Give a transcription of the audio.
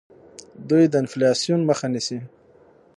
دوی د انفلاسیون مخه نیسي.